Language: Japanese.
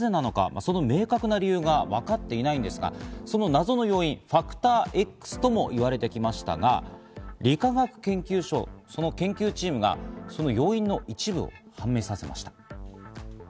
その明確な理由が分かっていないんですが、謎の要因、ファクターＸとも言われてきましたが、理化学研究所の研究チームがその要因の一部を判明させました。